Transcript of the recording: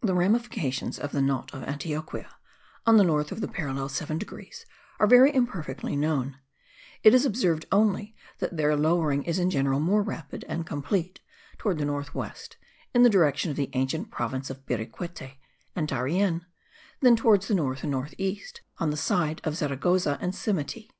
The ramifications of the knot of Antioquia, on the north of the parallel 7 degrees, are very imperfectly known; it is observed only that their lowering is in general more rapid and complete towards the north west, in the direction of the ancient province of Biruquete and Darien, than towards the north and north east, on the side of Zaragoza and Simiti.